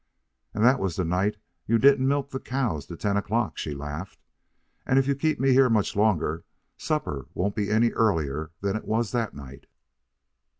"And that was the night you didn't milk the cows till ten o'clock," she laughed. "And if you keep me here much longer, supper won't be any earlier than it was that night."